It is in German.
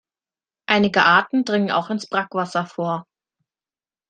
Einige Arten dringen auch ins Brackwasser vor.